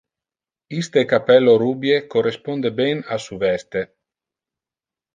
Iste cappello rubie corresponde ben a su veste.